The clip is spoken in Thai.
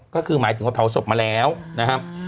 ก็คือหมายถึงว่าเผาศพมาแล้วนะครับ